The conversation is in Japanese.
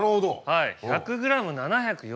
はい１００ｇ７４０円。